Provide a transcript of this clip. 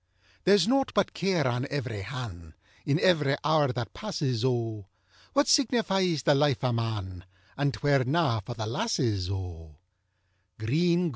THERE'S nought but care on ev'ry han', In ev'ry hour that passes, O: What signifies the life o' man, And 'twere na for the lasses, O.